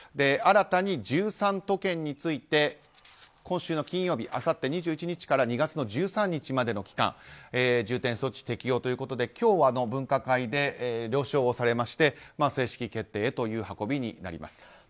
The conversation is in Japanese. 新たに１３都県について今週の金曜日あさって２１日から２月１３日までの期間重点措置適用ということで今日、分科会で了承されまして正式決定へという運びになります。